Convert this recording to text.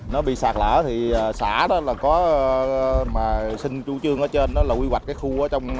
nó bị sạt lở thì xã đó là có mà xin chú chương ở trên đó là quy hoạch cái khu ở trong kinh năm